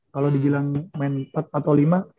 kalau dibilang main empat atau lima